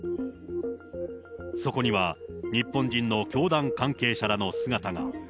そこには日本人の教団関係者らの姿が。